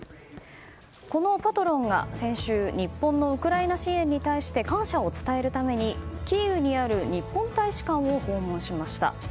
このパトロンが先週日本のウクライナ支援に対して感謝を伝えるためにキーウにある日本大使館を訪問しました。